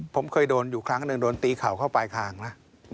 ผมเคยโดนอยู่ครั้งหนึ่งโดนตีเข่าเข้าปลายคางนะ